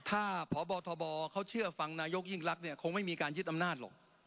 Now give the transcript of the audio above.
ถ้าพบทบเขาเชื่อฟังนายกยิ่งรักเนี่ยคงไม่มีการยึดอำนาจหรอก